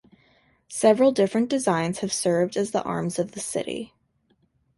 Several different designs have served as the arms of the city.